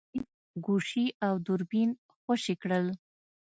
شريف ګوشي او دوربين خوشې کړل.